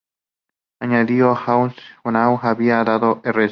Añadió que Hussain Nawaz había dado Rs.